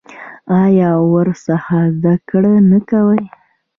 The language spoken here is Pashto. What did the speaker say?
آیا او ورڅخه زده کړه نه کوو؟